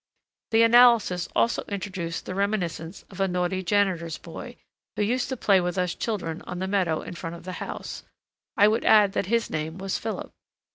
The analysis also introduced the reminiscence of a naughty janitor's boy, who used to play with us children on the meadow in front of the house; I would add that his name was Philip.